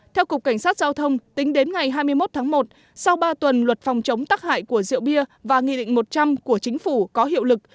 theo cục cảnh sát giao thông tính đến ngày hai mươi một tháng một sau ba tuần luật phòng chống tắc hại của rượu bia và nghị định một trăm linh của chính phủ có hiệu lực